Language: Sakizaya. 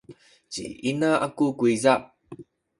ci ina aku kuyza